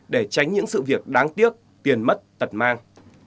để tránh những sự việc đáng tiếc tiền mất tật mang